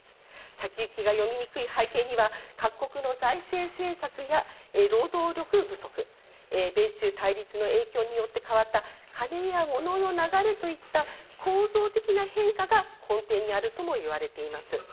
先行きが読みにくい背景には、各国の財政政策や労働力不足、米中対立の影響によって変わったカネやモノの流れといった構造的な変化が根底にあるともいわれています。